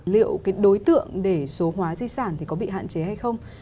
liệu cái đối tượng để số hóa di sản thì có bị hạn chế hay không